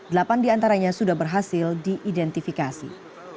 delapan diantaranya sudah berhasil diidentifikasi